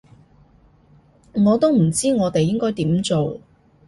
我都唔知我哋應該點做